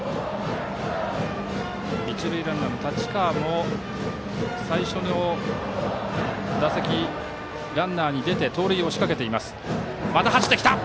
一塁ランナーの太刀川も最初の打席でランナーに出て、盗塁を仕掛けています。